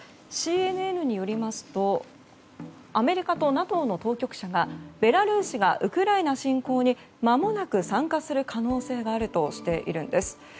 ＣＮＮによりますとアメリカとＮＡＴＯの当局者がベラルーシがウクライナ侵攻にまもなく参加する可能性があるとしているんです。